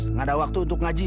tidak ada waktu untuk mengaji